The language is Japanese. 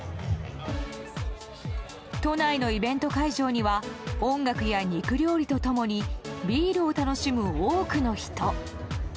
都内のイベント会場には音楽や肉料理と共にビールを楽しむ多くの人。